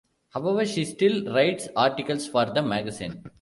However, she still writes articles for the magazine.